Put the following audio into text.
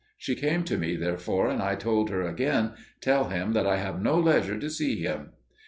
She came to me, therefore, and I told her again, "Tell him that I have no leisure to see him."